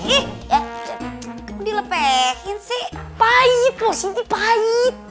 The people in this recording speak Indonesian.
ih kamu dilepehin sih pahit pos siti pahit